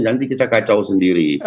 nanti kita kacau sendiri